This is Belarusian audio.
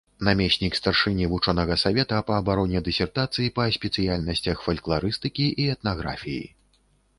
Намеснік старшыні вучонага савета па абароне дысертацый па спецыяльнасцях фалькларыстыкі і этнаграфіі.